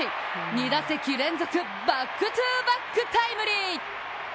２打席連続、バックトゥバックタイムリー！